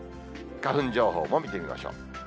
花粉情報も見てみましょう。